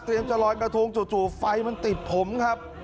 จะลอยกระทงจู่ไฟมันติดผมครับ